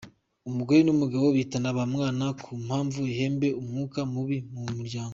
Umugore n’umugabo bitana ba mwana ku mpamvu ihembera umwuka mubi mu muryango.